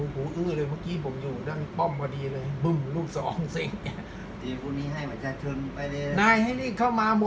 สลับลก